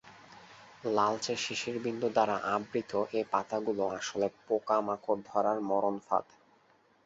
লালচে শিশির বিন্দু দ্বারা আবৃত এ পাতাগুলো আসলে পোকামাকড় ধরার মরণ ফাঁদ।